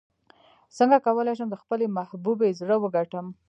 څنګه کولی شم د خپلې محبوبې زړه وګټم